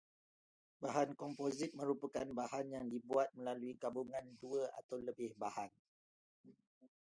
Bahan komposit merupakan bahan yang dibuat melalui gabungan dua atau lebih bahan